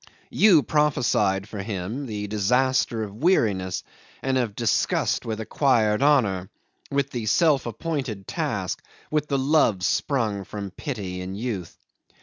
You prophesied for him the disaster of weariness and of disgust with acquired honour, with the self appointed task, with the love sprung from pity and youth.